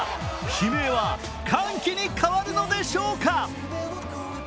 悲鳴は歓喜に変わるのでしょうか。